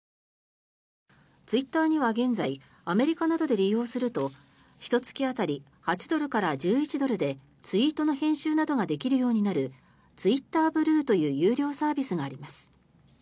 ツイッターには現在アメリカなどで利用するとひと月当たり８ドルから１１ドルでツイートの編集などができるようになるツイッター・ブルーという有料サービスがあります。